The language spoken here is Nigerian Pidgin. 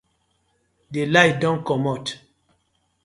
DI light don komot.